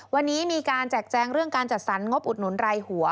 วันนี้มีการแจกแจงเรื่องการจัดสรรงบอุดหนุนรายหัว